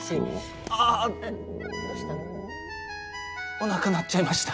おなか鳴っちゃいました。